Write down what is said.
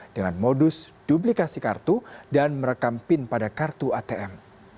dengan modus duplikasi kartu dan merekam pin pada kartu atm